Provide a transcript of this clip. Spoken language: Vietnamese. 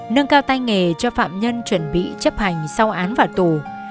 nâng cao tay nghề cho phạm nhân chuẩn bị chấp hành sau án phạt tù